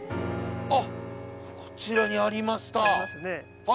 あっこちらにありました。